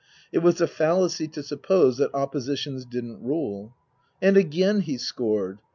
It was a fallacy to suppose that Oppositions didn't rule. And again he scored.